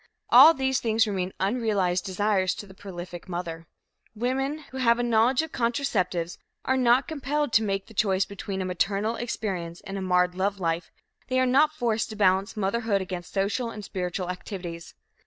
All these things remain unrealized desires to the prolific mother. Women who have a knowledge of contraceptives are not compelled to make the choice between a maternal experience and a marred love life; they are not forced to balance motherhood against social and spiritual activities.